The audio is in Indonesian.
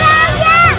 pak pak pak